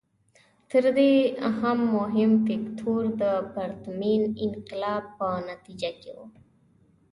تر دې هم مهم فکټور د پرتمین انقلاب په نتیجه کې و.